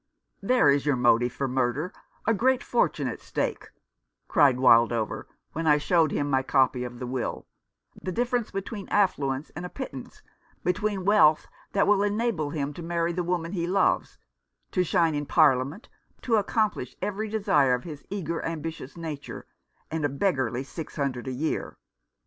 " There is your motive for murder — a great fortune at stake," cried Wildover, when I showed him my copy of the will — "the difference between affluence and a pittance ; between wealth that will enable him to marry the woman he loves, to shine in Parliament, to accomplish every desire of his eager, ambitious nature, and a beggarly six hundred a year.